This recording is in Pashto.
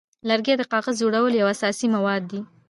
لرګی د کاغذ جوړولو یو اساسي مواد دی.